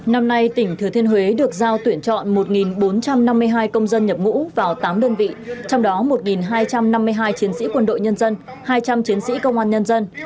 năm nay tỉnh thừa thiên huế được giao tuyển chọn một bốn trăm năm mươi hai công dân nhập ngũ vào tám đơn vị trong đó một hai trăm năm mươi hai chiến sĩ quân đội nhân dân hai trăm linh chiến sĩ công an nhân dân